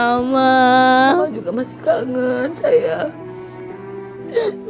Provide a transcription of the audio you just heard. mama juga masih kangen saya